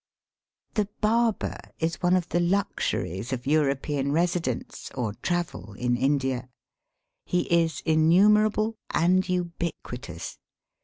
The barber is one of the luxuries of Euro pean residence or travel in India. He is innumerable and ubiquitous.